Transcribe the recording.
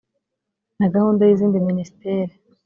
na gahunda y'izindi minisiteri.